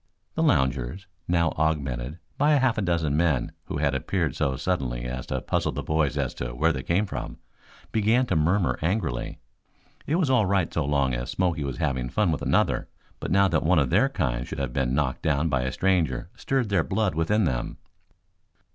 The loungers, now augmented by a half dozen men who had appeared so suddenly as to puzzle the boys as to where they came from, began to murmur angrily. It was all right so long as Smoky was having fun with another, but now that one of their kind should have been knocked down by a stranger stirred their blood within them.